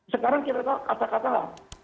sekarang kira kira kata katalah